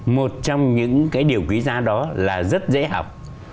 một trong những cái điều quý giá đó là rất dễ học